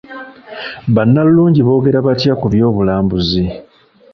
Bannalulungi bongera batya ku by'obulambuzi?